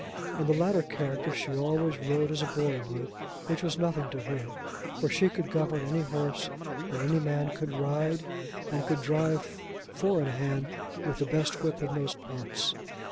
In the latter character she always rode as a boy would, which was nothing to her, for she could govern any horse that any man could ride, and could drive four in hand with the best whip in those parts.